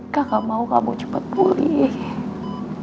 kakak mau kamu cepat pulih